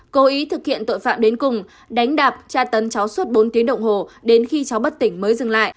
cố ý thực hiện tội phạm đến cùng đánh đạp tra tấn cháu suốt bốn tiếng đồng hồ đến khi cháu bất tỉnh mới dừng lại